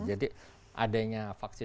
jadi adanya vaksin vaksin